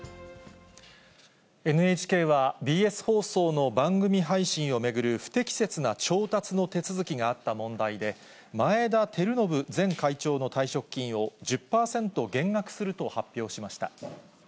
ＮＨＫは、ＢＳ放送の番組配信を巡る不適切な調達の手続きがあった問題で、前田晃伸前会長の退職金を１０％減額すると発表しました。